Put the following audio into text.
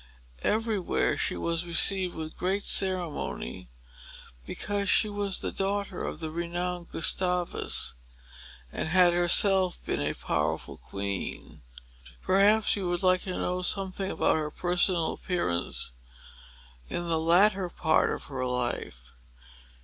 Everywhere, she was received with great ceremony, because she was the daughter of the renowned Gustavus, and had herself been a powerful queen. Perhaps you would like to know something about her personal appearance, in the latter part of her life.